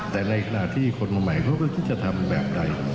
แต่ในขณะที่คนใหม่เขาก็คิดจะทำแบบใด